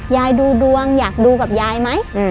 ยายดูดวงอยากดูกับยายไหม